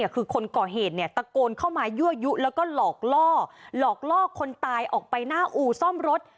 คือคนก่อเหตุตะโกนเข้ามายั่วยุแล้วก็หลอกล่อหลอกล่อคนตายออกไปหน้าอู่ซ่อมรถ